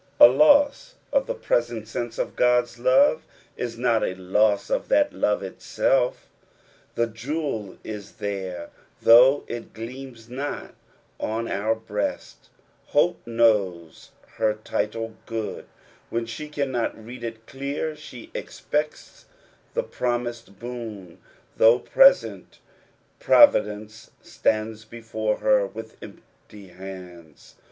A loss of the present sense of Qod's love is not a loss of that love itself ; the jewel is there, though it gleams not on our breast ; hope knows ber title good when she cannot read it clear ; she expects the promised boon tbuugh present providence stands before her with empty hands.